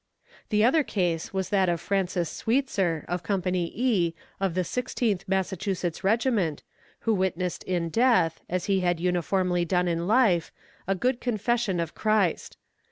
"The other case was that of Francis Sweetzer, of Company E, of the Sixteenth Massachusetts Regiment, who witnessed in death, as he had uniformly done in life, a good confession of Christ.